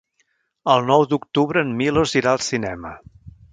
El nou d'octubre en Milos irà al cinema.